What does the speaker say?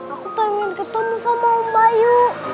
aku pengen ketemu sama om bayu